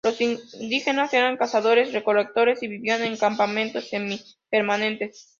Los indígenas eran cazadores-recolectores y vivían en campamentos semipermanentes.